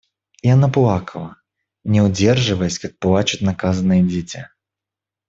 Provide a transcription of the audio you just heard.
И она плакала, не удерживаясь, как плачут наказанные дети.